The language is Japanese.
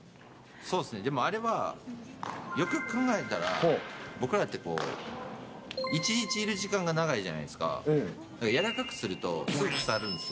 そうですね、でもあれは、よくよく考えたら、僕らってこう、１日いる時間が長いじゃないですか、やらかくするとすぐ腐るんですよ。